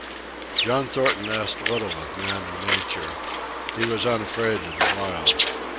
John Thornton asked little of man or nature. He was unafraid of the wild.